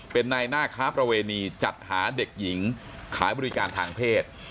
เป็นในหน้าค้าประเวณีจัดหาเด็กหญิงขายบริการทางเพศ